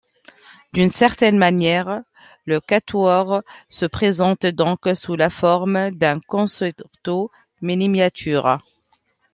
D'une certaine manière, le quatuor se présente donc sous la forme d'un concerto miniature.